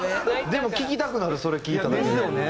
でも聴きたくなるそれ聞いたら。ですよね。